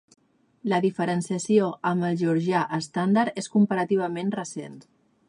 La diferenciació amb el georgià estàndard és comparativament recent.